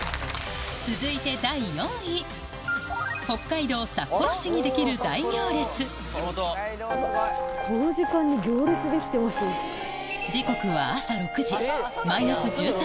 続いて北海道札幌市にできる大行列時刻は朝６時マイナス１３